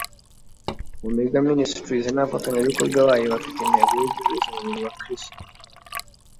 Omega Ministries n’abafatanyabikorwa bayo bafite intego yo guhuza umubiri wa Kristo